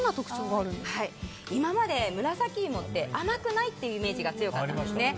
今まで紫芋って甘くないイメージが強かったんですね。